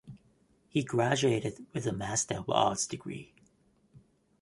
He graduated with a Master of Arts degree.